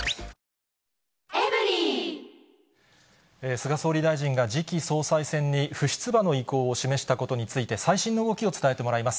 菅総理大臣が次期総裁選に不出馬の意向を示したことについて、最新の動きを伝えてもらいます。